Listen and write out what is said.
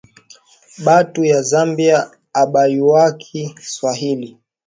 Batu ya zambia abayuwaki swahili